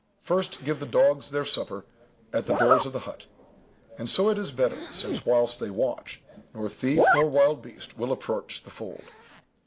First give the dogs their supper at the doors of the hut: for so it is better, since, whilst they watch, nor thief nor wild beast will approach the fold.